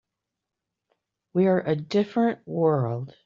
We're a different world.